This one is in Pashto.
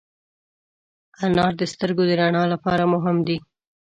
انار د سترګو د رڼا لپاره مهم دی.